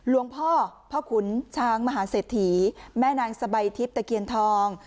หลวงพ่อพ่อขุนช้างมหาเศรษฐีแม่นางสบายทิพย์ตะเคียนทอง